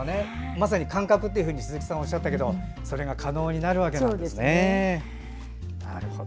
まさに感覚と鈴木さんはおっしゃったけどそれが可能になるわけなんですね。